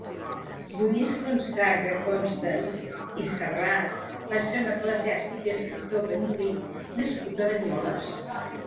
Lluís Gonçaga Constans i Serrat va ser un eclesiàstic i escriptor banyolí nascut a Banyoles.